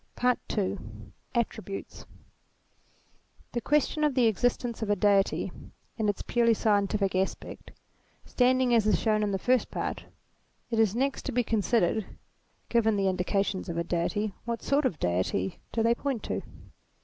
PAET II ATTBIBTJTES question of the existence of a Deity, in its purely scientific aspect, standing as is shown in the First Part, it is next to be considered, given the indications of a Deity, what sort of a Deity do they point to